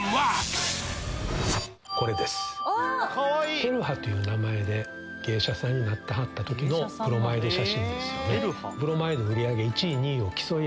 照葉という名前で芸者さんになってはった時のブロマイド写真ですよね。